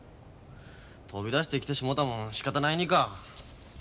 飛び出してきてしもうたもんしかたないにか。